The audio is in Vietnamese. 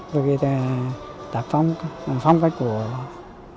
vì tạp phong cách của họ